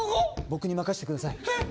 僕に任してください。